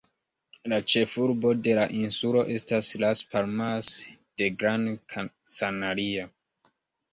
La ĉefurbo de la insulo estas Las Palmas de Gran Canaria.